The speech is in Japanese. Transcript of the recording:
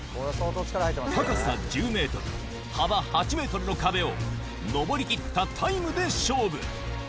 高さ１０メートル、幅８メートルの壁を、登り切ったタイムで勝負。